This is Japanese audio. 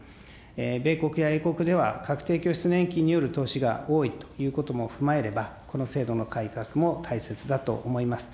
米国や英国では、確定拠出年金による投資が多いということも踏まえれば、この制度の改革も大切だと思います。